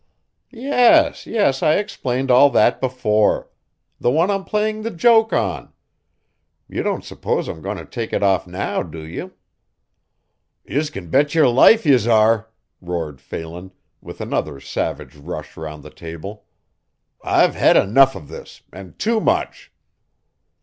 "Yes, yes I explained all that before. The one I'm playing the joke on. You don't suppose I'm going to take it off now, do you?" "Yez can bet your life, yez are," roared Phelan, with another savage rush round the table. "I've had enough of this, an' too much!"